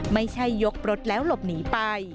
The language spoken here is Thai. ไม่ใช่ยกรถแล้วหลบหนีไป